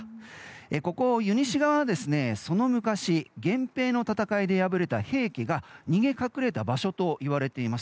ここ、湯西川はその昔源平の戦いで敗れた平家が逃げ隠れた場所といわれています。